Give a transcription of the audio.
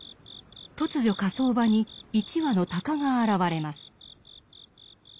突如火葬場に一羽の鷹が現れます。